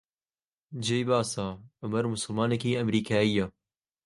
جێی باسە عومەر موسڵمانێکی ئەمریکایییە